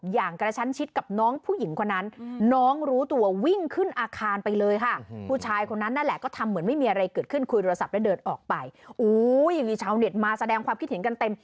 อย่างนี้ชาวเน็ตมาแสดงความคิดเห็นกันเต็ม